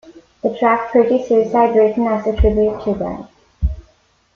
The track "Pretty Suicide" written as a tribute to them.